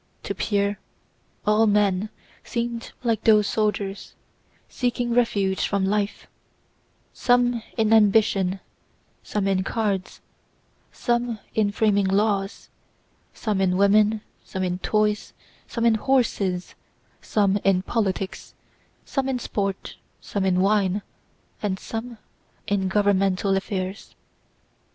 To Pierre all men seemed like those soldiers, seeking refuge from life: some in ambition, some in cards, some in framing laws, some in women, some in toys, some in horses, some in politics, some in sport, some in wine, and some in governmental affairs.